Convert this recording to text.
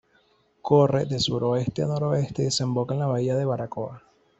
Corre de suroeste a noroeste y desemboca en la Bahía de Baracoa.